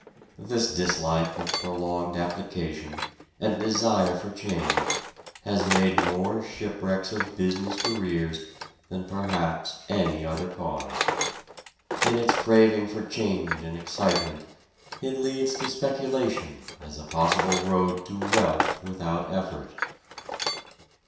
This dislike of prolonged application, and desire for change, has made more shipwrecks of business careers than perhaps any other cause. In its craving for change and excitement, it leads to speculation as a possible road to wealth without effort.